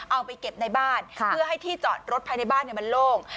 เอาไปเก็บในบ้านเพื่อให้ที่จอดรถภายในบ้านมันโล่ง